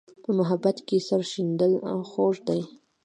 په محبت کې سر شیندل خوږ دي.